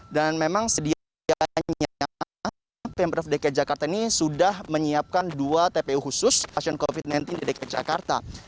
dan memang sedianya pemref dki jakarta ini sudah menyiapkan dua tpu khusus pasien covid sembilan belas di dki jakarta